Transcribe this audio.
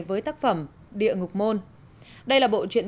với tác phẩm địa ngục môn